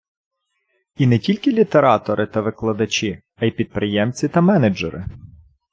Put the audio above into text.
І не тільки літератори та викладачі, а й підприємці та менеджери.